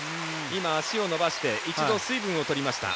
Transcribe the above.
足を伸ばして一度水分を取りました。